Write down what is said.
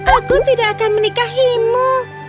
aku tidak akan menikahimu